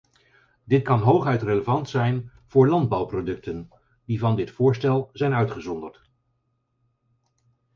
Dit kan hooguit relevant zijn voor landbouwproducten, die van dit voorstel zijn uitgezonderd.